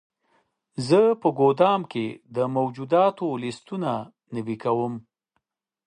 زه په ګدام کې د موجوداتو لیستونه نوي کوم.